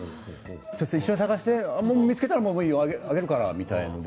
一緒に探して見つけたらいいよ、あげるからみたいな。